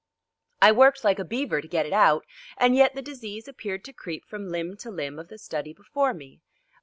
I worked like a beaver to get it out, and yet the disease appeared to creep from limb to limb of the study before me.